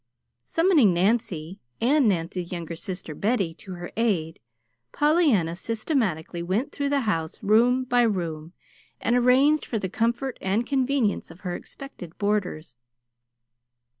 Summoning Nancy, and Nancy's younger sister, Betty, to her aid, Pollyanna systematically went through the house, room by room, and arranged for the comfort and convenience of her expected boarders.